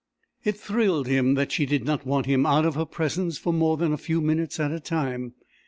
It thrilled him that she did not want him out of her presence for more than a few minutes at a time.